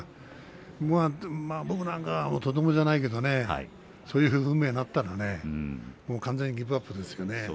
僕なんかはとてもじゃないけどねそういう運命になったら完全に自分はギブアップですよね。